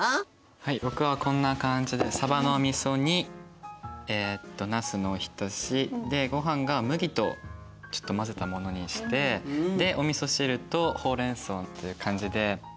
はい僕はこんな感じでさばのみそ煮なすのお浸しでごはんが麦と混ぜたものにしてでおみそ汁とほうれんそうという感じで。